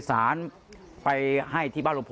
กะขนมจีน